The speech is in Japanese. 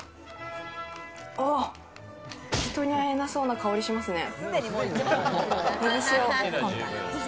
人に会えなそうな香りしますね。